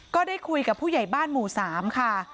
ก็ได้คุยกับผู้ใหญ่บ้านหมู่๓ค่ะ